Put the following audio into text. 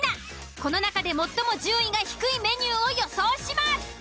この中で最も順位が低いメニューを予想します。